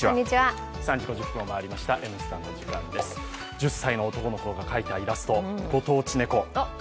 １０歳の男の子が描いたイラストご当地ネコ。